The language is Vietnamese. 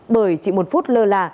bởi chỉ một phút lơ là